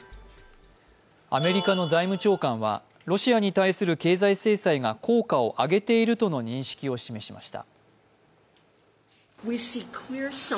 アメリカの財務長官はロシアに対する経済制裁が効果を上げているとの認識を示しました。